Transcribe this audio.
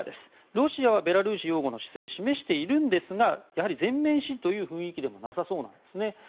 ロシアはベラルーシ擁護の姿勢を示しているんですがやはり全面支持という雰囲気でもなさそうなんですね。